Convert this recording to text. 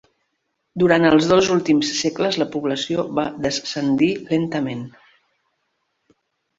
Durant els dos últims segles, la població va descendir lentament.